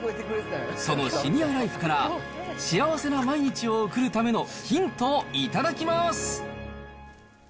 そのシニアライフから、幸せな毎日を送るためのヒントを頂きます。